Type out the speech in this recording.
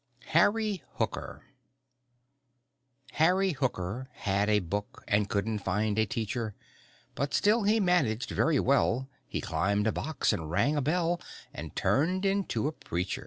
HARRY HOOKER Harry Hooker had a book And couldn't find a teacher. But still he managed very well, He climbed a box and rang a bell And turned into a preacher.